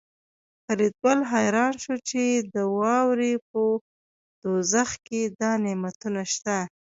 فریدګل حیران شو چې د واورې په دوزخ کې دا نعمتونه شته